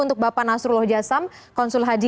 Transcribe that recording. untuk bapak nasrullah jasam konsul haji